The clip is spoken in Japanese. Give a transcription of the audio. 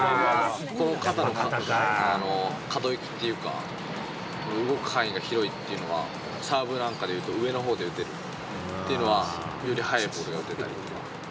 肩の可動域っていうか、動く範囲が広いっていうのは、サーブなんかで言うと、上の方で打てるというのは、より速いボールが打てる。